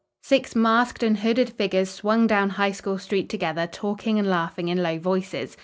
Six masked and hooded figures swung down High School Street together, talking and laughing in low voices.